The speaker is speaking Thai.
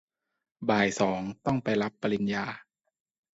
บ่ายสองต้องไปรับปริญญา